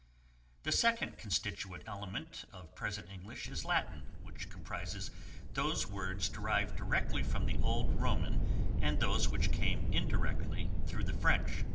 The second constituent element of present English is Latin which comprises those words derived directly from the old Roman and those which came indirectly through the French.